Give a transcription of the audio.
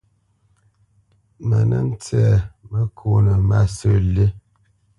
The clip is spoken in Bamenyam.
Mə nə́ ntsɛ́ məkónə masə̂ lí.